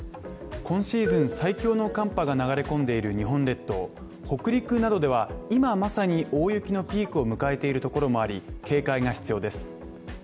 今シーズン最強の寒波が流れ込んでいる日本列島北陸などでは、今まさに大雪のピークを迎えているところもあり、警戒が必要です。